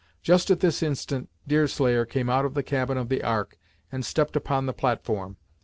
Just at this instant Deerslayer came out of the cabin of the Ark and stepped upon the platform.